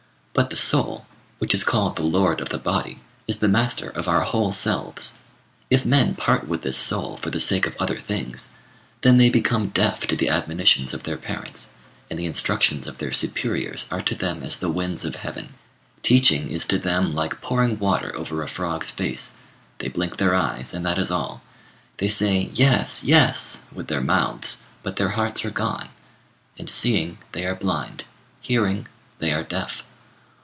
But the soul, which is called the lord of the body, is the master of our whole selves. If men part with this soul for the sake of other things, then they become deaf to the admonitions of their parents, and the instructions of their superiors are to them as the winds of heaven. Teaching is to them like pouring water over a frog's face; they blink their eyes, and that is all; they say, "Yes, yes!" with their mouths, but their hearts are gone, and, seeing, they are blind, hearing, they are deaf.